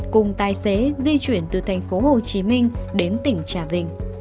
cùng tài xế di chuyển từ tp hcm đến tỉnh trà vinh